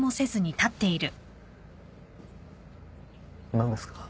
何ですか？